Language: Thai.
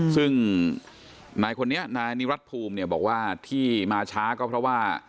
ซึ่งนายนิรัตถภูมิบอกว่าที่มาช้าก็เพราะว่า